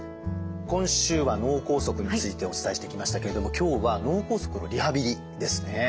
今週は「脳梗塞」についてお伝えしてきましたけれども今日は脳梗塞のリハビリですね。